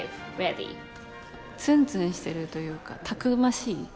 ツンツンしてるというかたくましい。